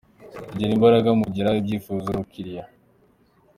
gera imbaraga mu kugera ku byifuzo by’abakiriya.